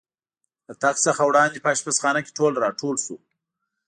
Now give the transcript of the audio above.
له تګ څخه وړاندې په اشپزخانه کې ټول را ټول شو.